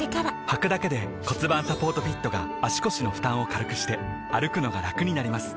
はくだけで骨盤サポートフィットが腰の負担を軽くして歩くのがラクになります